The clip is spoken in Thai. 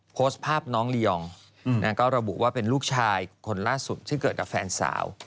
โพสต์ภาพน้องลียองก็ระบุว่าเป็นลูกชายคนล่าสุดซึ่งเกิดกับแฟนสาว